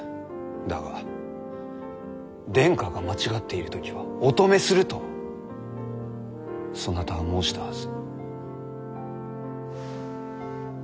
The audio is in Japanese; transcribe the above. だが殿下が間違っている時はお止めするとそなたは申したはず。